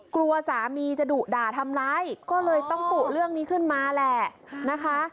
กลัวสามีจะดุด่าทำร้ายก็เลยต้องปุเรื่องนี้ขึ้นมาแหละนะคะ